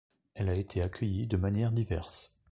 Elle a été accueillie de manières diverses.